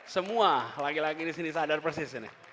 semua laki laki di sini sadar persis ini